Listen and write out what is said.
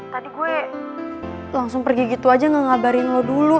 tadi gue langsung pergi gitu aja gak ngabarin lo dulu